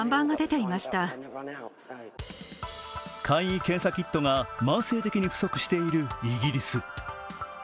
簡易検査キットが慢性的に不足しているイギリス。